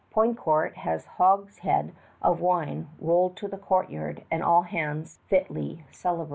Poutrincourt has a hogshead of wine rolled to the courtyard and all hands fitly celebrate.